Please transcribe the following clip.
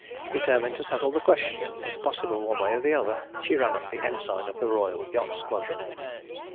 Determined to settle the question, if possible, one way or the other, he ran up the ensign of the Royal Yacht Squadron.